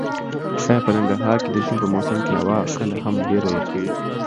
ایا په ننګرهار کې د ژمي په موسم کې هوا کله هم ډېره یخیږي؟